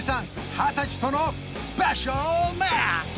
二十歳とのスペシャルマッチ！